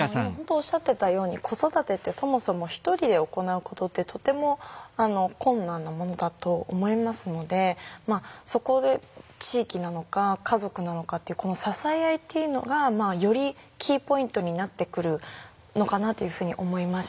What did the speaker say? おっしゃってたように子育てってそもそも一人で行うことってとても困難なものだと思いますのでそこで地域なのか家族なのかっていうこの支え合いっていうのがよりキーポイントになってくるのかなというふうに思いました。